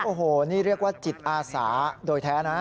โอ้โหนี่เรียกว่าจิตอาสาโดยแท้นะ